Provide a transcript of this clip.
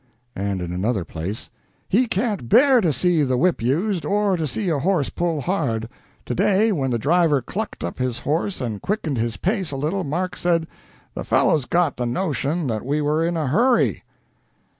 And in another place: "He can't bear to see the whip used, or to see a horse pull hard. To day when the driver clucked up his horse and quickened his pace a little, Mark said, 'The fellow's got the notion that we were in a hurry.'"